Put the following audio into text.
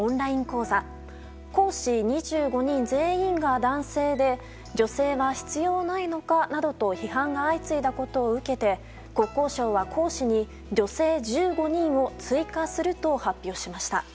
講師２５人全員が男性で女性は必要ないのかなどと批判が相次いだことを受けて国交省は、講師に女性１５人を追加すると発表しました。